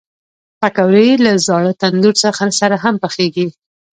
پکورې له زاړه تندور سره هم پخېږي